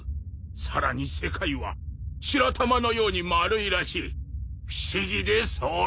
「さらに世界は白玉のように丸いらしい」「不思議で候」